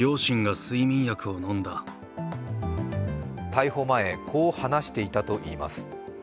逮捕前、こう話していたといいます。